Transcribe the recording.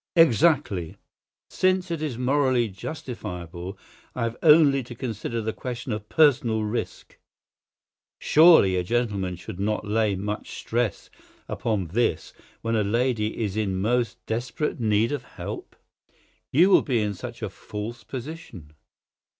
"Exactly. Since it is morally justifiable I have only to consider the question of personal risk. Surely a gentleman should not lay much stress upon this when a lady is in most desperate need of his help?" "You will be in such a false position."